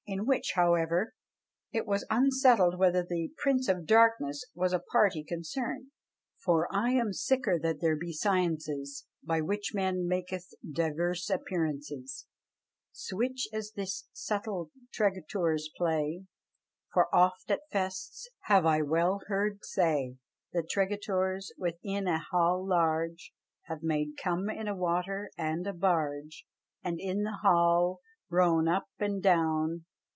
in which, however, it was as unsettled whether the "Prince of Darkness" was a party concerned. For I am siker that there be sciences By which men maken divers apparences Swiche as thise subtil tregetoures play. For oft at festes have I wel herd say That tregetoures, within an halle large, Have made come in a water and a barge, And in the halle rowen up and doun.